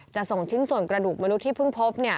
ส่งชิ้นส่วนกระดูกมนุษย์ที่เพิ่งพบ